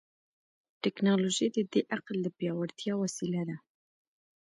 ټیکنالوژي د دې عقل د پیاوړتیا وسیله ده.